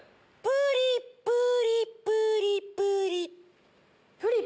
プリプリプリプリ。